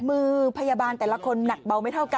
มือพยาบาลแต่ละคนหนักเบาไม่เท่ากัน